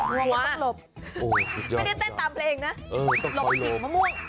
หัวง๊าตรงนั้นต้องหลบ